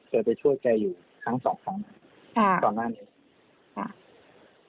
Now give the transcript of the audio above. แกก็ไปช่วยแกอยู่ครั้งสองครั้งตอนหน้านี้